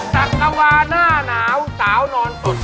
ตักกระวาน่านาวสาวนอนตุ้น